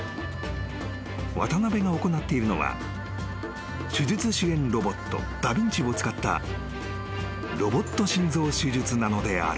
［渡邊が行っているのは手術支援ロボットダビンチを使ったロボット心臓手術なのである］